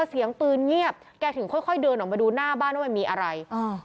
เสียงปืนเงียบแกถึงค่อยค่อยเดินออกมาดูหน้าบ้านว่ามันมีอะไรอ่า